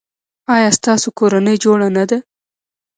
ایا ستاسو کورنۍ جوړه نه ده؟